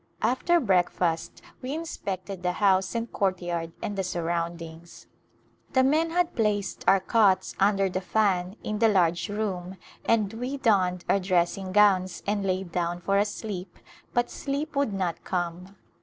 After breakfast we inspected the house and courtyard and the surround ings. The men had placed our cots under the fan in the large room, and we donned our dressing gowns and lay down for a sleep but sleep would not come.